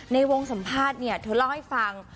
ในวงสัมภาษณ์เนี่ยเธอเล่าให้ฟัง